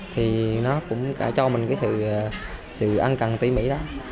thì nó cũng cho mình cái sự ân cần tỉ mỉ đó